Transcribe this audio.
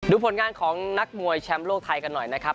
ผลงานของนักมวยแชมป์โลกไทยกันหน่อยนะครับ